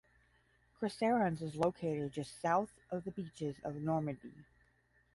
Cresserons is located just south of the beaches of Normandy.